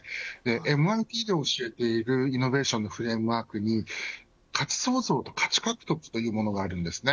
ＭＩＴで教えているイノベーションのフレームワークに価値創造と価値獲得というものがあります。